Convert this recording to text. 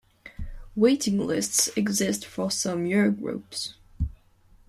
Waiting lists exist for some year groups.